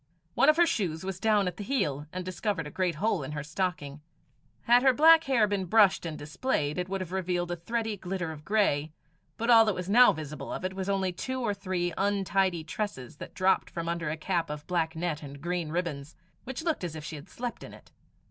One of her shoes was down at the heel, and discovered a great hole in her stocking. Had her black hair been brushed and displayed, it would have revealed a thready glitter of grey, but all that was now visible of it was only two or three untidy tresses that dropped from under a cap of black net and green ribbons, which looked as if she had slept in it.